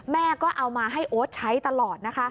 แม่ก็เอามาให้โอ๊ตใช้ตลอดนะคะ